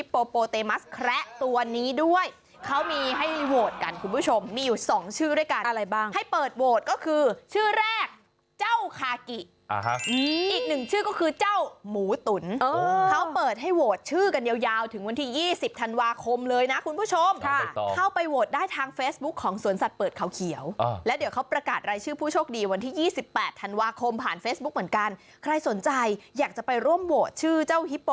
โปโปเตมัสแคระตัวนี้ด้วยเขามีให้โหวตกันคุณผู้ชมมีอยู่สองชื่อด้วยกันอะไรบ้างให้เปิดโหวตก็คือชื่อแรกเจ้าคากิอีกหนึ่งชื่อก็คือเจ้าหมูตุ๋นเขาเปิดให้โหวตชื่อกันยาวถึงวันที่ยี่สิบธันวาคมเลยนะคุณผู้ชมเข้าไปโหวตได้ทางเฟซบุ๊คของสวนสัตว์เปิดเขาเขียวและเดี๋ยวเขาประกาศรายชื่อผู้โช